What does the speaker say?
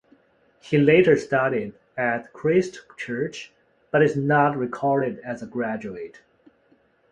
He later studied at Christ Church, but is not recorded as a graduate.